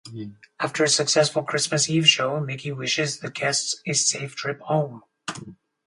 After a successful Christmas Eve show, Mickey wishes the guests a safe trip home.